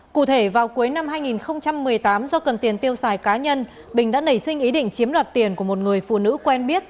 cụ thể vào cuối năm hai nghìn một mươi tám do cần tiền tiêu xài cá nhân bình đã nảy sinh ý định chiếm đoạt tiền của một người phụ nữ quen biết